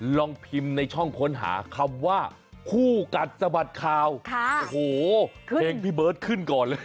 ลองพิมพ์ในช่องค้นหาคำว่าคู่กัดสะบัดข่าวโอ้โหเพลงพี่เบิร์ตขึ้นก่อนเลย